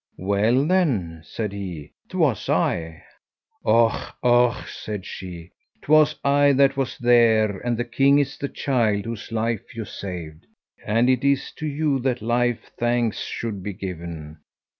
"Well then," said he, "'twas I." "Och! och!" said she, "'twas I that was there, and the king is the child whose life you saved; and it is to you that life thanks should be given."